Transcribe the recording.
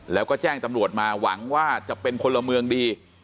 แล้วก็แจ้งตำรวจมาหวังว่าจะเป็นพลเมืองดี